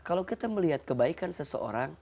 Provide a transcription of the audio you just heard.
kalau kita melihat kebaikan seseorang